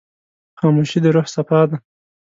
خاموشي، د روح صفا ده.